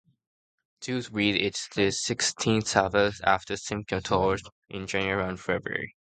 Jews read it the sixteenth Sabbath after Simchat Torah, in January or February.